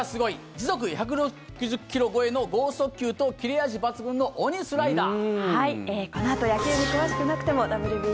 時速１６０ｋｍ超えの豪速球と切れ味抜群の鬼スライダー。